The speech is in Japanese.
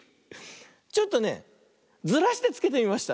ちょっとねずらしてつけてみました。